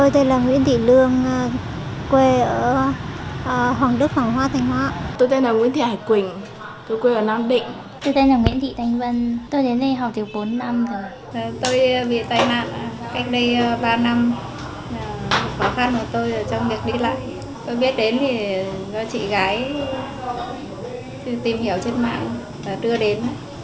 đó là một khó khăn của tôi trong việc đi lại tôi biết đến thì do chị gái tìm hiểu trên mạng và đưa đến